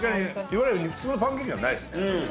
いわゆる普通のパンケーキじゃないですね。